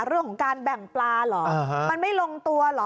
เรื่องของการแบ่งปลาเหรอมันไม่ลงตัวเหรอ